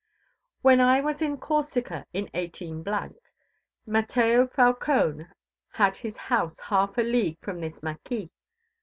When I was in Corsica in 18 , Mateo Falcone had his house half a league from this mâquis.